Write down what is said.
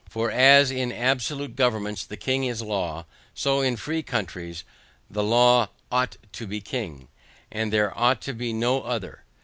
For as in absolute governments the King is law, so in free countries the law OUGHT to be King; and there ought to be no other.